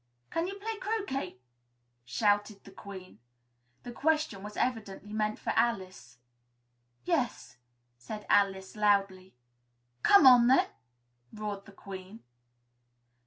"Can you play croquet?" shouted the Queen. The question was evidently meant for Alice. "Yes!" said Alice loudly. "Come on, then!" roared the Queen.